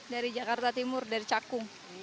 dari jakarta timur dari cakung